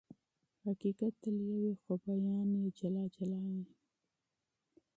حقيقت تل يو وي خو بيان يې بېلابېل وي.